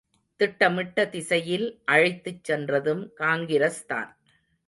திட்டமிட்ட திசையில் அழைத்துச் சென்றதும் காங்கிரஸ்தான்.